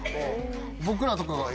僕らとかが。